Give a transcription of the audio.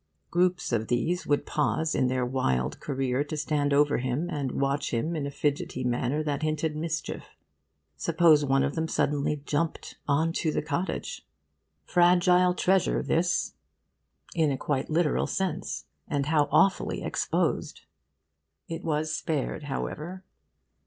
Groups of these would pause in their wild career to stand over him and watch him in a fidgety manner that hinted mischief. Suppose one of them suddenly jumped on to the cottage! Fragile treasure, this, in a quite literal sense; and how awfully exposed! It was spared, however.